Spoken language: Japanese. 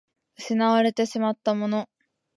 失われてしまったもの